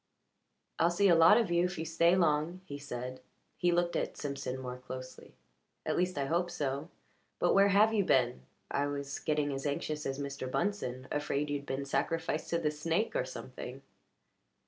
"I'll see a lot of you, if you stay long," he said. He looked at Simpson more closely. "At least, I hope so. But where have you been? I was getting as anxious as Mr. Bunsen afraid you'd been sacrificed to the snake or something."